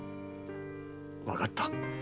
わかった。